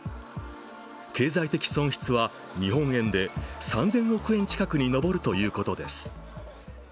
経済的損失は日本円で３０００億円近くにのぼるということです。